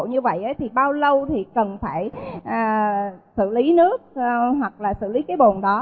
như vậy thì bao lâu thì cần phải sử lý nước hoặc là sử lý cái bồn đó